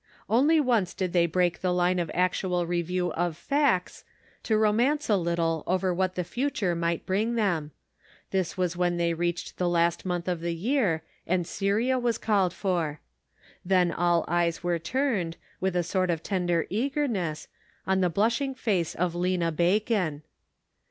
Only once did they break the line of actual review of facts to romance a little over what the future might bring them ; this was when they reached the last month of the year, and Syria was called for. Then all eyes were turned, with sort of tender eagerness, on the blushing face of Lena Bacon.